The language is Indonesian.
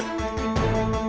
tidak ada tanah tanah